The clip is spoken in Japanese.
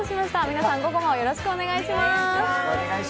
皆さん、午後もよろしくお願いします。